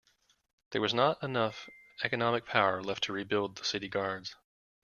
There was not enough economic power left to rebuild the city guards.